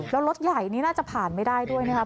แล้วรถใหญ่นี่น่าจะผ่านไม่ได้ด้วยนะครับ